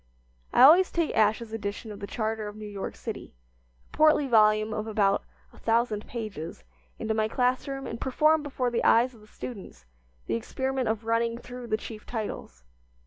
I always take Ash's edition of the charter of New York City a portly volume of about a thousand pages into my class room and perform before the eyes of the students the experiment of running through the chief titles.